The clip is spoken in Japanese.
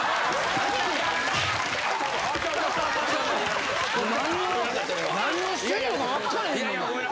何を何をしてんのかわっからへんねんな。